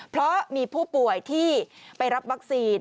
เพราะมีผู้ป่วยที่ไปรับวัคซีน